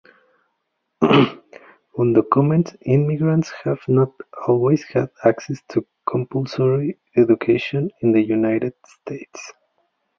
Undocumented immigrants have not always had access to compulsory education in the United States.